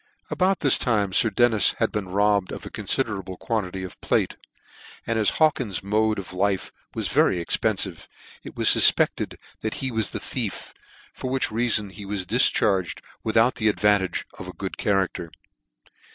About this time Sir Dennis had been robbed of a confide rable quantity of plate ; and as Haw kins's mode of life was very expenfive, it was fufpected that he was the thief; for which reafon he was difcharged without the advantage of a good character.